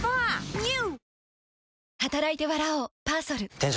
ＮＥＷ！